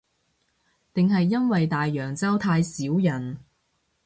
定係因為大洋洲太少人